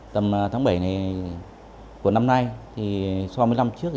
tầm tháng bảy của năm nay so với năm trước